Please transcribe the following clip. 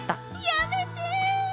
「やめて！」